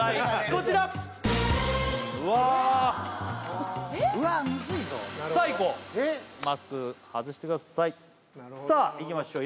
こちらうわえっうわムズいぞさあいこうマスク外してくださいさあいきましょう